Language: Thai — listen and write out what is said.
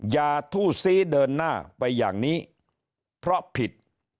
อย่าทู่ซี้เดินหน้าไปอย่างนี้เพราะผิด